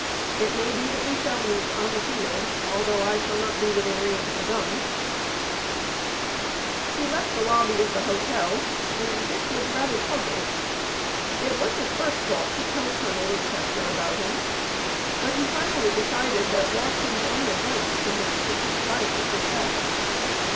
"It may be that we shall meet on the field, although I shall not be within range of the guns." He left the lobby of the hotel, and Dick was rather puzzled. It was his first thought to tell Colonel Winchester about him, but he finally decided that Watson's own advice to him to keep silent was best.